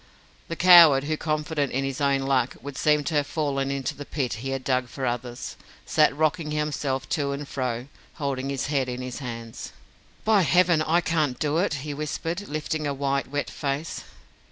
The coward who, confident in his own luck, would seem to have fallen into the pit he had dug for others, sat rocking himself to and fro, holding his head in his hands. "By Heaven, I can't do it," he whispered, lifting a white, wet face.